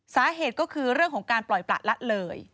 สาเหตุก็คือเรื่องของการปล่อยประละเลย